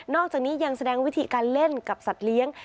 อกจากนี้ยังแสดงวิธีการเล่นกับสัตว์เลี้ยง